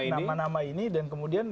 nama nama ini dan kemudian